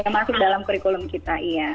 masuk dalam kurikulum kita iya